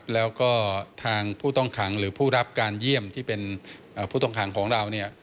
แล้วก็ทางผู้ต้องขังหรือผู้รับการเยี่ยมที่เป็นผู้ต้องขังของเราเนี่ย